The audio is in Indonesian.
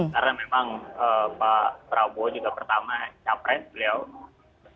karena memang pak prabowo juga pertama capres beliau